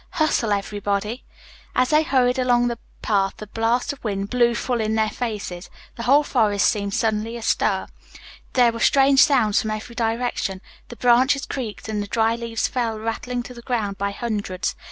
Hustle, everybody." As they hurried along the path a blast of wind blew full in their faces. The whole forest seemed suddenly astir. There were strange sounds from every direction. The branches creaked and the dry leaves fell rattling to the ground by hundreds.